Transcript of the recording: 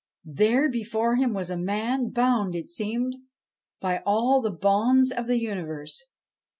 There, before him, was a man, bound, it seemed, by all the bonds of the universe.